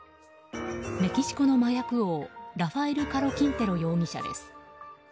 メキシコの麻薬王、ラファエル・カロ・キンテロ容疑者です。